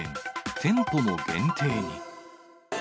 店舗も限定に。